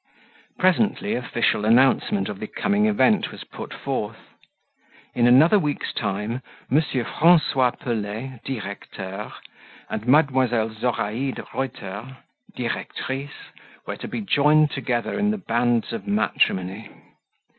Presently official announcement of the coming event was put forth. In another week's time M. Francois Pelet, directeur, and Mdlle. Zoraide Reuter, directrice, were to be joined together in the bands of matrimony.